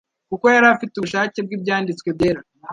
kuko yari afite ubushake bw’Ibyanditswe Byera,